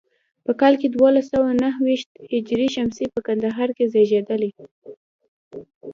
په کال دولس سوه نهو ویشت هجري شمسي په کندهار کې زیږېدلی.